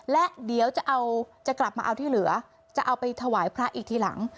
และเดี๋ยวจะเอาจะกลับมาเอาที่เหลือจะเอาไปถวายพระอีกทีหลัง